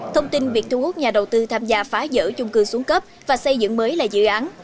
thông tin việc thu hút nhà đầu tư tham gia phá giỡn chung cư xuống cấp và xây dựng mới là dự án